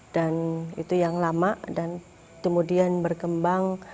dan itu yang lama dan kemudian berkembang